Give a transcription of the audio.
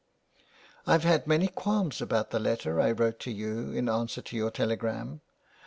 " I've had many qualms about the letter I wrote you in answer to your telegram.